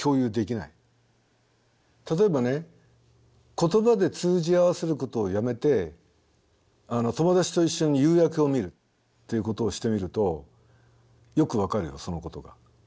例えばね言葉で通じ合わせることをやめて友達と一緒に夕焼けを見るっていうことをしてみるとよく分かるよそのことが。